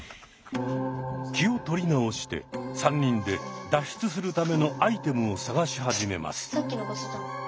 気を取り直して３人で脱出するためのアイテムを探し始めます。